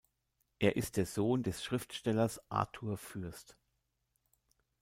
Er ist der Sohn des Schriftstellers Artur Fürst.